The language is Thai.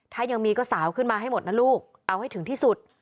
ถ้ายังมีก็สาวขึ้นมาให้หมดนะลูกเอาให้ถึงที่สุด